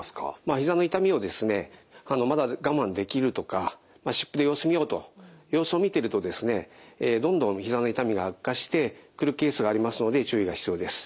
ひざの痛みをですねまだ我慢できるとか湿布で様子を見ようと様子を見ているとですねどんどんひざの痛みが悪化してくるケースがありますので注意が必要です。